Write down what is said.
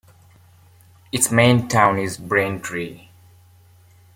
Its main town is Braintree.